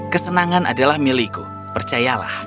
kesenangan adalah milikku percayalah